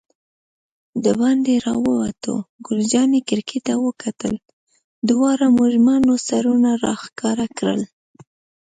دباندې راووتو، ګل جانې کړکۍ ته وکتل، دواړو مېرمنو سرونه را ښکاره کړل.